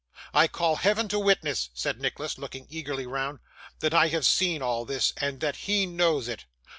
I call Heaven to witness,' said Nicholas, looking eagerly round, 'that I have seen all this, and that he knows it.